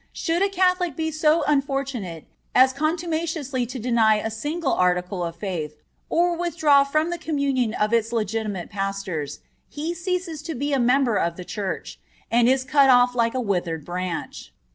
Should a Catholic be so unfortunate as contumaciously to deny a single article of faith, or withdraw from the communion of his legitimate pastors, he ceases to be a member of the Church, and is cut off like a withered branch.